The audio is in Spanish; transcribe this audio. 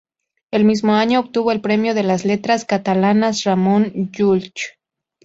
El mismo año obtuvo el premio de las Letras Catalanas Ramon Llull.